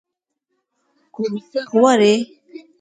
کوم څه غواړئ؟